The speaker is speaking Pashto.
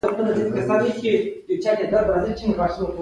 ژر بیرته راسه!